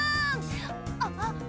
あっ！